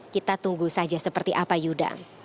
kita tunggu saja seperti apa yuda